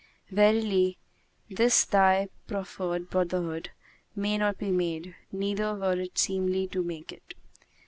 Verily, this thy proffered brotherhood[FN#168] may not be made, neither were it seemly to make it."